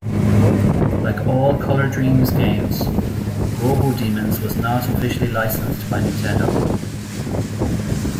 Like all Color Dreams games, Robodemons was not officially licensed by Nintendo.